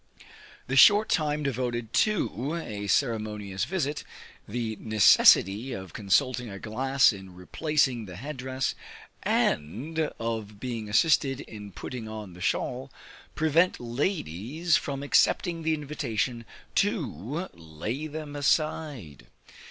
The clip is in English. The short time devoted to a ceremonious visit, the necessity of consulting a glass in replacing the head dress, and of being assisted in putting on the shawl, prevent ladies from accepting the invitation to lay them aside.